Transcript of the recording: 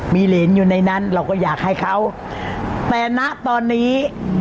มีเหรนอยู่ในนั้นเราก็อยากให้เขาแต่นะตอนนี้